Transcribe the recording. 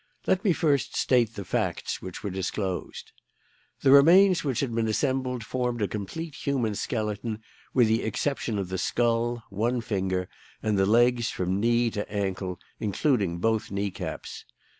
"Let me first state the facts which were disclosed. "The remains which had been assembled formed a complete human skeleton with the exception of the skull, one finger, and the legs from knee to ankle, including both knee caps.